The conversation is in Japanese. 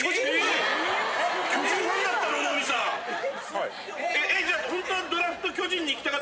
はい。